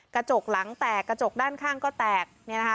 กระจกหลังแตกกระจกด้านข้างก็แตกเนี่ยนะคะ